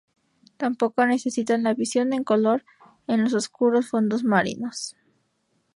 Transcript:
Tampoco necesitan la visión en color en los oscuros fondos marinos.